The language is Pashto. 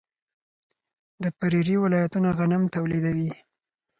د پریري ولایتونه غنم تولیدوي.